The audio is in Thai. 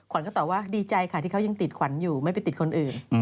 ก็ตอบว่าดีใจค่ะที่เขายังติดขวัญอยู่ไม่ไปติดคนอื่น